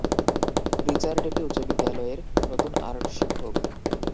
Richard একটি উচ্চ বিদ্যালয়ের নতুন আর্ট শিক্ষক।